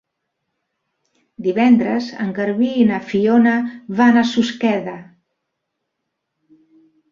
Divendres en Garbí i na Fiona van a Susqueda.